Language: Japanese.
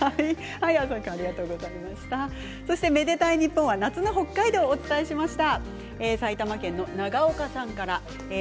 「愛でたいｎｉｐｐｏｎ」は夏の北海道をお伝えしました。